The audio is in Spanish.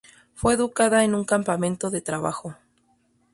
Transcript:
Fue educada en un campamento de trabajo.